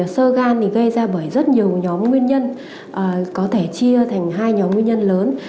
sơ gan thì gây ra bởi rất nhiều nhóm nguyên nhân có thể chia thành hai nhóm nguyên nhân lớn